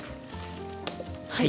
はい。